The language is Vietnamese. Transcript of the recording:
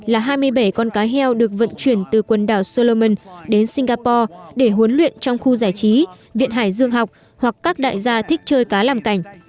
là hai mươi bảy con cá heo được vận chuyển từ quần đảo solomen đến singapore để huấn luyện trong khu giải trí viện hải dương học hoặc các đại gia thích chơi cá làm cảnh